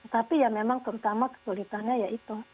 tapi ya memang terutama kesulitannya ya itu